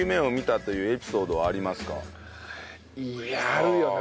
いやあるよな。